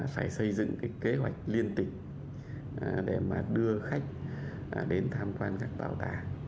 phải xây dựng kế hoạch liên tịch để đưa khách đến tham quan các bảo tàng